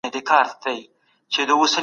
روښانه فکر فشار نه راوړي.